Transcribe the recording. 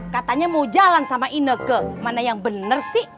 katanya mau jalan sama ineke mana yang benar sih